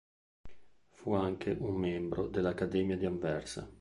Fu anche un membro della Accademia di Anversa.